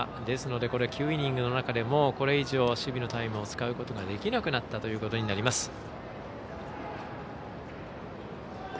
ですので、９イニングの中でこれ以上、守備のタイムを使うことができなくなったということになります。